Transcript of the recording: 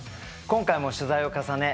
今回も取材を重ね